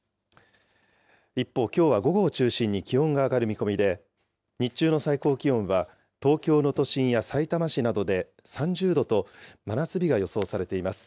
一方、きょうは午後を中心に気温が上がる見込みで、日中の最高気温は、東京の都心やさいたま市などで３０度と、真夏日が予想されています。